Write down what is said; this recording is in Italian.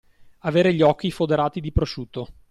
Avere gli occhi foderati di prosciutto.